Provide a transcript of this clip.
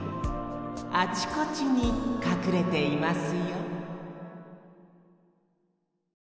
あちこちにかくれていますよ